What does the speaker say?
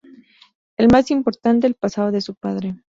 El más importante: el pasado de su padre.